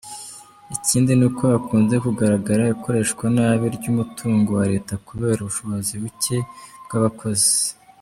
Ikindi nuko hakunze kugaragara ikoreshwanabi ry’umutungo wa Leta kubera ubushobozi bucye bw’abakozi.